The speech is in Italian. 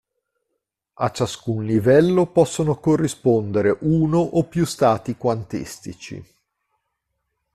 A ciascun livello possono corrispondere uno o più stati quantistici.